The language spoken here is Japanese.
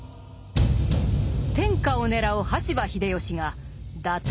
天下を狙う羽柴秀吉が打倒